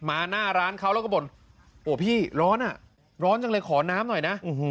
หน้าร้านเขาแล้วก็บ่นโอ้พี่ร้อนอ่ะร้อนจังเลยขอน้ำหน่อยนะ